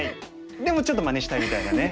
でもちょっとまねしたいみたいなね。